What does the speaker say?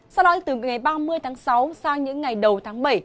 sau đó từ ngày ba mươi tháng sáu sang những ngày đầu tháng bảy